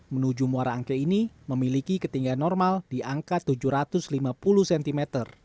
menuju muara angke ini memiliki ketinggian normal di angka tujuh ratus lima puluh cm